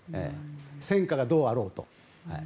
戦火がどうであろうと。